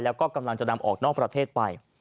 แล้วก็กำลังจะนำออกนอกประเทศไป